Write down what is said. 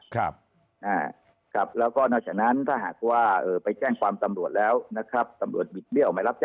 ครับครับแล้วก็ถ้าหากว่าเอ่อไปแจ้งความต่ำโหลดแล้วนะครับ